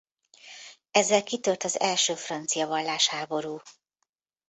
Ezzel kitört az első francia vallásháború.